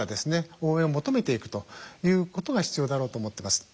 応援を求めていくということが必要だろうと思ってます。